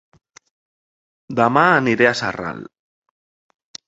Dema aniré a Sarral